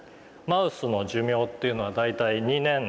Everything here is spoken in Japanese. マウスの寿命っていうのは大体２年ぐらいなんです。